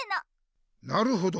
なるほど。